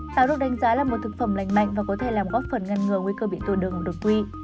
táo được đánh giá là một thực phẩm lành mạnh và có thể làm góp phần ngăn ngừa nguy cơ bị tụi đường đột quy